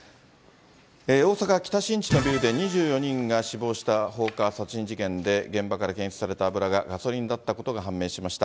大阪・北新地のビルで２４人が死亡した放火殺人事件で、現場から検出された油がガソリンだったことが判明しました。